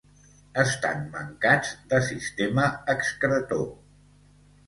Estan mancats de sistema excretor.